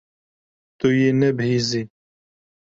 Tu yê nebihîzî.